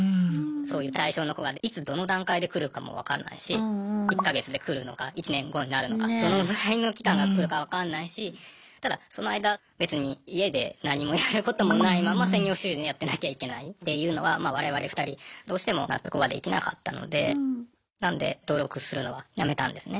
そういう対象の子がいつどの段階で来るかも分からないし１か月で来るのか１年後になるのかどのぐらいの期間が来るか分かんないしただその間別に家で何もやることもないまま専業主婦やってなきゃいけないっていうのは我々２人どうしても納得はできなかったのでなので登録するのはやめたんですね。